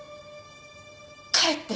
帰って！